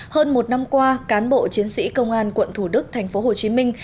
hơn một năm qua cán bộ chiến sĩ công an quận thủ đức thành phố hồ chí minh